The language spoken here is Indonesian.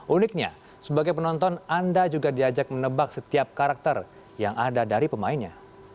uniknya sebagai penonton anda juga diajak menebak setiap karakter yang ada dari pemainnya